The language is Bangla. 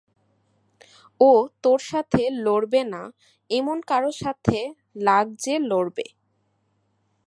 ও তোর সাথে লড়বে না, এমন কারো সাথে লাগ যে লড়বে।